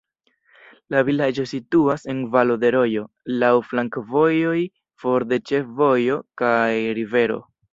La vilaĝo situas en valo de rojo, laŭ flankovojoj, for de ĉefvojo kaj rivero.